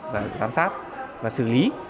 và giám sát và xử lý